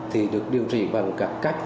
thì được điều trị bằng các cách